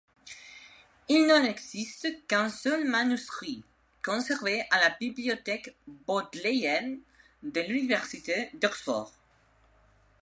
Il n'en existe qu'un seul manuscrit, conservé à la bibliothèque Bodléienne de l'université d'Oxford.